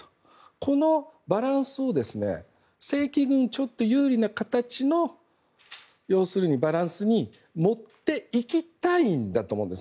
このバランスを正規軍ちょっと有利な形のバランスに持っていきたいんだと思うんです。